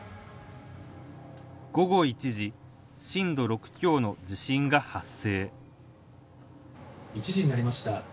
午後１時震度６強の地震が発生１時になりました。